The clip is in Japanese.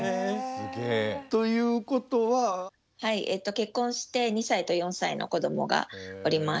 結婚して２歳と４歳の子どもがおります。